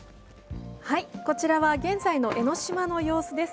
こちらは現在の江の島の様子です。